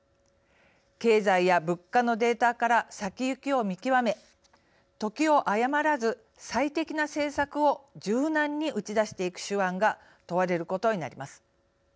経済や物価のデータから先行きを見極め、時を誤らず最適な政策を柔軟に打ち出していく手腕が問われることになります。